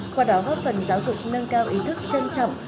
qua đó góp phần giáo dục nâng cao ý thức trân trọng